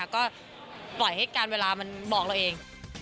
ก็ปล่อยให้การเวลามันบอกเราเอง